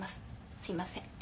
すいません。